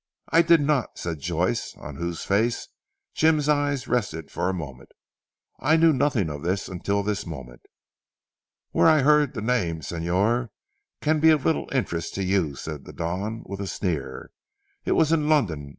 "I did not," said Joyce on whose face Jim's eyes rested for a moment. "I knew nothing of this until this moment." "Where I heard the name Señor, can be of little interest to you," said the Don with a sneer. "It was in London.